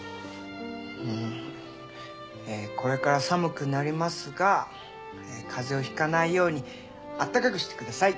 んこれから寒くなりますが風邪をひかないようにあったかくしてください。